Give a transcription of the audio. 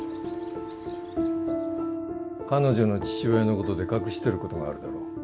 彼女の父親のことで隠してることがあるだろ？